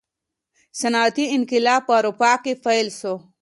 صنعتي انقلاب په اروپا کي پیل سو.